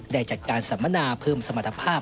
ได้จัดการสัมมนาเพิ่มสมรรถภาพ